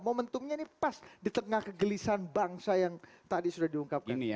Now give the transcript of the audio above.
momentumnya ini pas di tengah kegelisahan bangsa yang tadi sudah diungkapkan